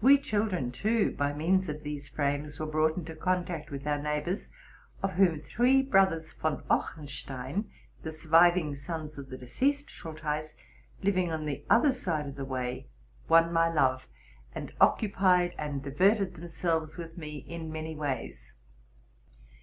We children, too, by means of these frames, were brought into contact with our neighbors, of whom three brothers Von Ochsenstein, the surviving sons of the de ceased Schultheiss, living on the other side of the way, won my love, and occupied and diverted themselves with me in many ways.